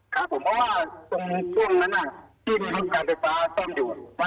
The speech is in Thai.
ค่ะผมว่าตรงช่วงนั้นน่ะที่มีรถการไฟส้อมอยู่